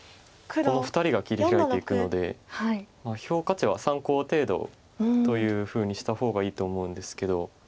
この２人が切り開いていくので評価値は参考程度というふうにした方がいいと思うんですけど。